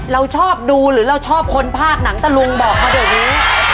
เราชอบดูหรือเราชอบคนภาคหนังตะลุงบอกมาเดี๋ยวนี้